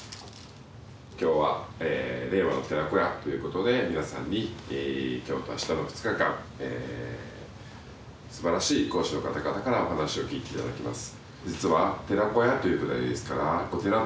今日は令和の寺子屋ということで皆さんに今日と明日の２日間すばらしい講師の方々からお話を聴いていただきます。